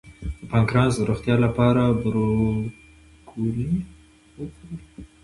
د پانکراس د روغتیا لپاره بروکولي وخورئ